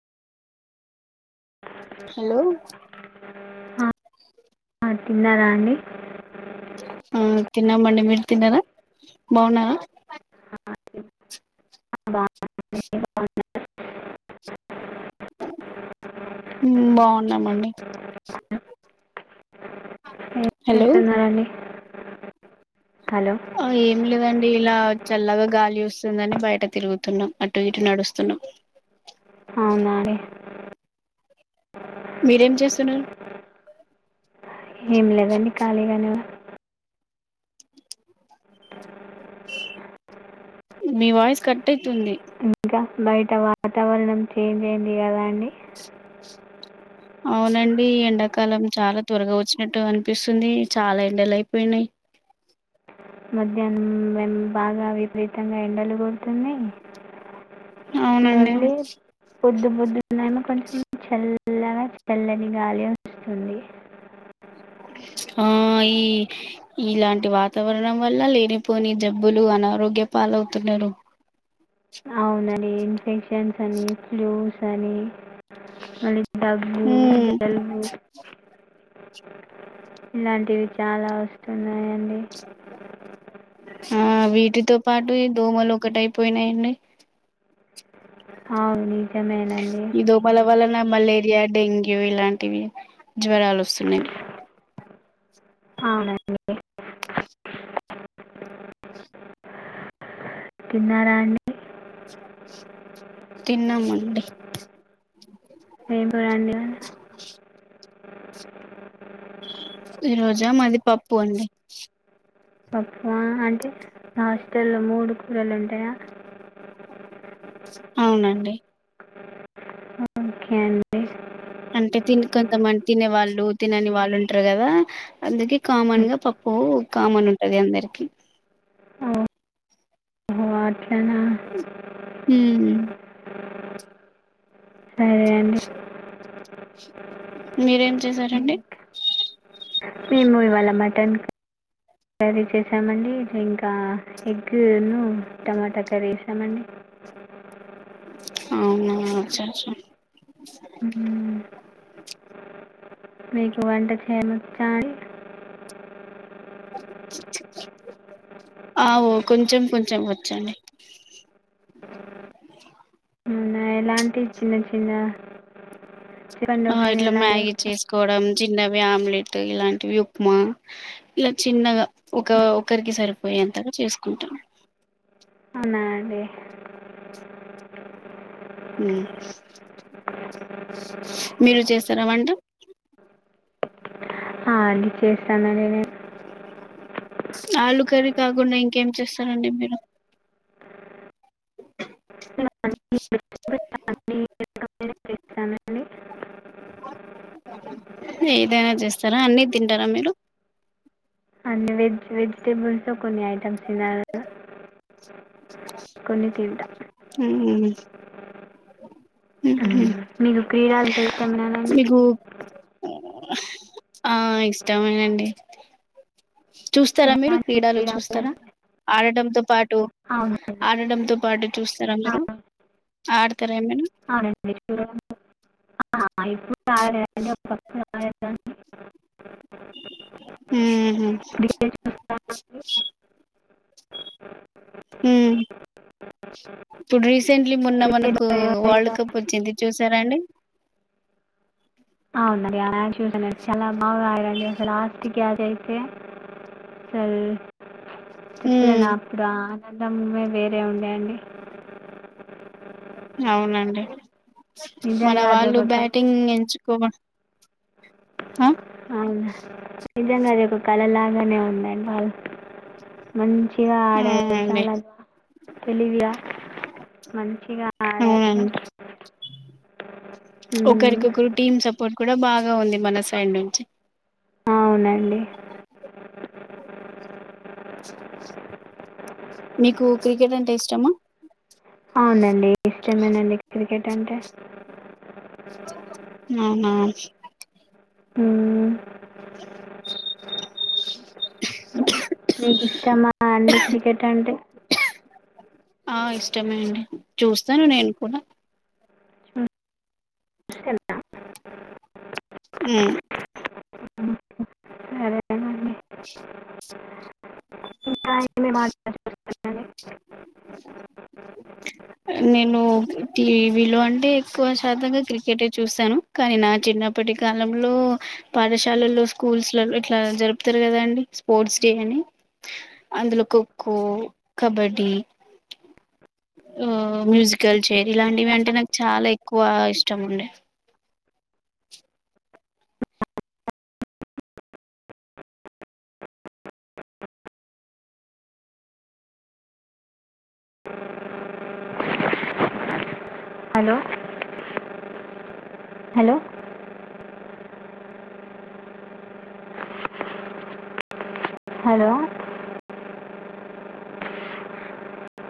Hello ఆ తిన్నారా అండి అవు ఆ తిన్నామండి మీరు తిన్నారా బాగున్నారా [inaudible] హ్మ్మ్ బాగున్నామండి హలో చేస్తున్నారండి హలో ఆ ఏం లేవండి ఇలా చల్లగా గాలి వస్తుందని బయట తిరుగుతున్నాం అటు ఇటు నడుస్తున్నాం. అవునా అండి మీరేం చేస్తున్నారు ఏం లేదండి ఖాళీగానే మీ వాయిస్ కట్ అయితుంది ఇంకా బయట వాతావరణం చేంజ్ అయింది కదా అండి అవునండి ఎండాకాలం చాలా త్వరగా వచ్చినట్టు అనిపిస్తుంది చాలా ఎండలు అయిపోయినాయి. మధ్యాహ్నం మేం బాగా విపరీతంగా ఎండలు కొడుతున్నాయి అవునండి నుండి పొద్దున పొద్దునేమో కొంచెం చల్లగా చల్లని గాలి వొస్తుంది ఆ ఈ ఇలాంటి వాతావరణం వల్ల లేనిపోని జబ్బులు అనారోగ్య పాలవుతున్నారు. అవును ఇన్ఫెక్షన్స్ అని ఫ్లూస్ అని మళ్ళీ దగ్గు ఉమ్ జలుబు ఇలాంటివి చాలా వస్తుంది ఆ వీటితో పాటు దోమలు ఒకట అయిపోయినాయండి అవును నిజమేనండి ఇదో మల వలనా మలే రియా డెంగ్యూ ఇలాంటివి జ్వరాలు వస్తున్నాయి అవునండి తిన్నారాణి తిన్నామండి ఏంపో రండి ఈ రోజా మాది పప్పు అండి పప్పు అంటే హాస్టల్లో మూడు కూరలు ఉంటాయా అవునండి ఓకే అండి అంటే తిని కొంతమంది తినే వాళ్ళు తినని వాళ్ళు ఉంటారు కదా అందుక కామన్ గా పప్పు కామన్ ఉంటుంది అందరికి ఓ ఓహో, అట్లనా హ సరే అండి మీరేం చేసారండి వాళ్ళ మటన్ కర్రీ చేసామండి ఇంకా ఎగ్ను టమాటా కర్రీ వేసామండి అవునాచ్చచ్చా హ్మ్. మీకు వంట చేమ చ అవుో కొంచెం కొంచెం వచ్చడి అవునా? ఎలాంటి చిన్న చి ఆ ఇట్లా మ్యాగీ చేసుకోవడం చిన్నవి ఆమ్లెట్ ఇలాంటివి ఉప్మా ఇలా చిన్నగా ఒక ఒకరికి సరిపోయే అంతగా చేసుకుంటాం అవునా అండి? మీరు చేస్తారా వంట అ చేస్తాను నేను ఆలు కర్రీ కాకుండా ఇంకేం చేస్తారండి మీరు అన్ని వెజిటబుల్స్ అన్ని రకమైన చేస్తానండి. ఏదైనా చేస్తారా అన్ని తింటారా మీరు వెజిటేబల్స్ కొన్ ఆఐటంసిన కొన్నికివిట మ్ మ్ మీకు క్రీడ అంట ఇష్టమేనానండి మీకు ఆ ఇష్టమనండి చూస్తారా మీరు ఎలాంటి క్రీడలు చూస్తారా, అంటే ఆడటంతో పాటు అవునండి ఆడటంతో పాటు చూస్తారా మీరు ఆడతారా ఏమైనా అనండి అ ఇప్పుడు ఆండ ప ఊహూ. ఇప్పుడే చూస్తానండి హ్మ్మ్, ఇప్పుడు రీసెంట్లీ మొన్న క్రికెట్ మనకు వరల్డ్ కప్ వచ్చింది చూసారాండి. అవునండి అ చూసను చాలా బాగా ఆండి అసలు లాస్ట్ గ్యాచ్్ అయితే అసలు ఉ చెప్పలే నాకూడా? అందం వే వేరే ఉండే అండి. అవునండి. మన నిజంగా అది వాళ్లు ఒక కళ బ్యాటింగ్ ఏంచు. కోమాట్, హ. అవునా హ! నిజంగా జెప్పుపీ కల్లలాగనే ఉంది! అండి, వాళ్లు. మంచిగా ఆడారు, అవునండి చాలా [unintelligible] గా తెలివిగా, మంచిగా ఆడారు. ఒకరికి, మ్మ్. ఒకరు టీమ్స్ సప. ఇప్పుడూ, కూడా బాగా ఉంది. మన సైడ్ నుంచి. అవునండి మీకు క్రికెట్ అంటే ఇష్టమా? అవునండి, ఇష్టమేనండి. [unintelligible] కెట్ అంటే? అవునా హ్మ్మ్. [inaudible] మీకు ఇష్టమా అండి, క్రికెట్ అంటే? ఆ, ఇష్టమే అండి. చూస్తాను నేను కూడా. చూస్తాను హ్మ్మ్. సరేనండి [inaudible] [inaudible] రిప్లై [unintelligible] ఇయ్యట్లే [unintelligible] నేను టీవీలో అంటే, ఎక్కువ శాతంగా క్రికెటే చూస్తాను. కానీ నా చిన్నప్పటి కాలంలో, పాఠశాలల్లో, స్కూల్స్ లో, ఇట్లా జరుపుతారు కదాండి, స్పోర్ట్స్ డే అని అందులో ఖోఖో, కబడ్డీ. హ్మ్, మ్యూజికల్ చైర్ ఇలాంటివి అంటే నాకు చాలా ఎక్కువ ఇష్టం ఉండే. హలో. Hello hello!